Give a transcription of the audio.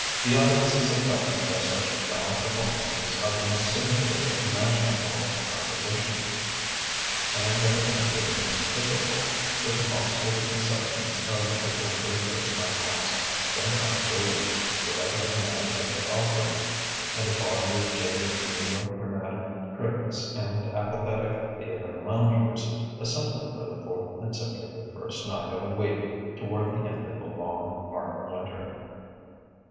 The audiences attracted by such trial performances are the most singular imaginable in composition, and of a temper the most difficult with the possible exceptions of a London first night house bent on booing whatever the merits of the offering, and a body of jaded New York dramatic critics and apathetic theatre loungers assembled for the fourth consecutive first night of a week toward the end of a long, hard winter.